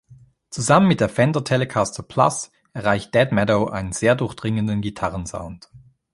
Zusammen mit der Fender Telecaster Plus erreicht Dead Meadow einen sehr durchdringenden Gitarrensound.